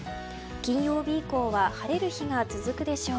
金曜日以降は晴れる日が続くでしょう。